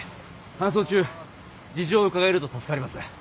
搬送中事情を伺えると助かります。